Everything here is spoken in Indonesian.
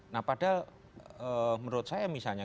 nah padahal menurut saya misalnya